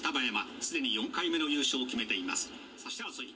既に４回目の優勝を決めています」。